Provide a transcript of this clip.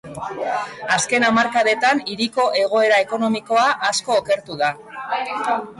Azken hamarkadetan hiriko egoera ekonomikoa asko okertu da.